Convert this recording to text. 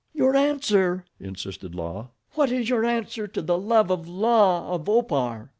"Your answer!" insisted La. "What is your answer to the love of La of Opar?"